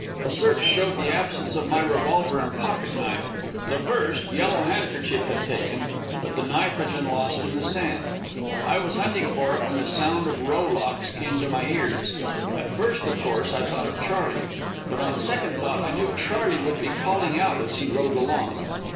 A search showed the absence of my revolver and pocket knife. The first Yellow Handkerchief had taken; but the knife had been lost in the sand. I was hunting for it when the sound of rowlocks came to my ears. At first, of course, I thought of Charley; but on second thought I knew Charley would be calling out as he rowed along.